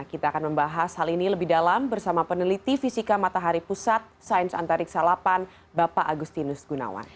kita akan membahas hal ini lebih dalam bersama peneliti fisika matahari pusat sains antariksa lapan bapak agustinus gunawan